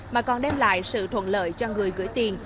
mà còn đem lại sự thuận lợi cho người gửi tiền